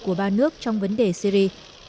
của ba nước trong vấn đề syri